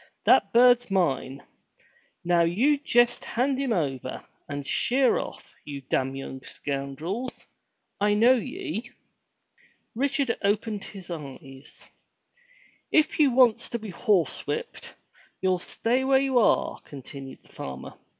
" That bird's mine ! Now you jest hand him over, and sheer off, you damn young scoundrels ! I knowye !" Richard opened his eyes. ^^^' r 229 MY BOOK HOUSE "If you wants to be horsewhipped, you'll stay where you are! continued the farmer.